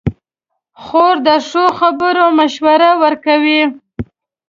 خور د ښو خبرو مشوره ورکوي.